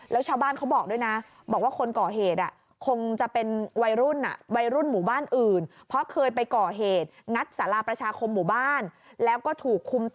แล้วเช้าบ้านเขาบอกด้วยนะบอกว่าคนก่อเหตุ